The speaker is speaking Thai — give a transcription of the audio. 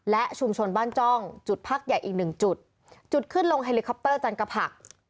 และชุมชนบ้านจ้องจุดพักใหญ่อีกหนึ่งจุดจุดขึ้นลงจันกระผัก